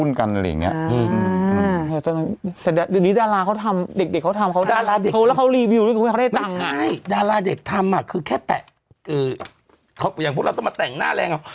ไม่ใช่ดาราเด็กทำอ่ะคือแค่แบะอย่างพวกเราต้องมาแต่งหน้าอะไรแหละ